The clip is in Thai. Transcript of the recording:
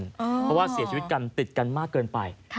เพราะว่าเสียชีวิตกันติดกันมากเกินไป